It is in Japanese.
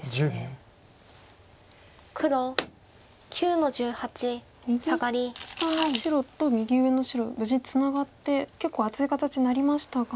右下の白と右上の白無事ツナがって結構厚い形になりましたが。